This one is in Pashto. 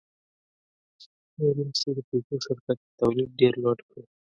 دغې مرستې د پيژو شرکت تولید ډېر لوړ کړ.